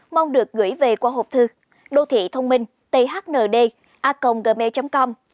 mong được gửi về qua hộp thư đô thị thông minh thnd a gmail com